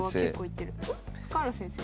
深浦先生。